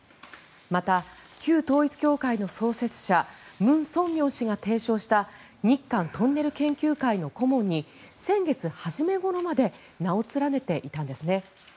また、旧統一教会の創設者ムン・ソンミョン氏が提唱した日韓トンネル研究会の顧問に先月初めごろまで名を連ねていたんですね。